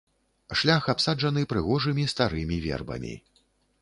Шлях абсаджаны прыгожымі старымі вербамі.